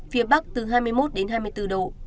phía bắc từ hai mươi một đến hai mươi bốn độ